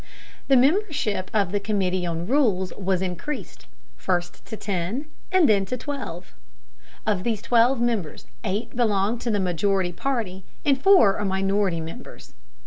The membership of the committee on rules was increased, first to ten, and then to twelve. Of these twelve members eight belong to the majority party and four are minority members.